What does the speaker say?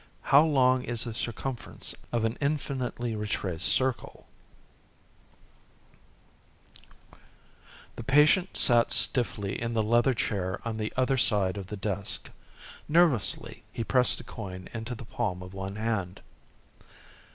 how long is the circumference of an infinitely retraced circle?_ By JOHN O'KEEFE Illustrated by van Dongen The patient sat stiffly in the leather chair on the other side of the desk. Nervously he pressed a coin into the palm of one hand.